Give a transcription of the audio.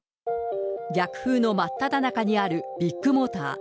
逆風の真っただ中にあるビッグモーター。